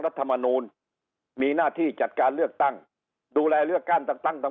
รัฐมนูลมีหน้าที่จัดการเลือกตั้งดูแลเลือกก้านต่างต่าง